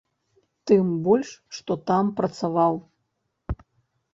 Тым больш што там працаваў.